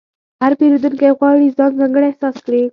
هر پیرودونکی غواړي ځان ځانګړی احساس کړي.